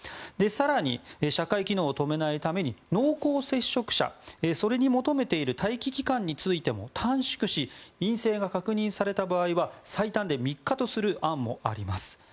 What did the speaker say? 更に、社会機能を止めないために濃厚接触者それに求めている待機期間についても短縮し陰性が確認された場合は最短で３日とする案もあります。